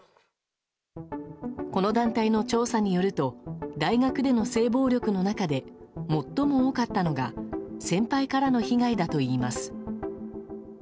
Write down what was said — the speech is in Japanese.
この団体の調査によると大学での性暴力の中で最も多かったのが先輩からの被害だといいます。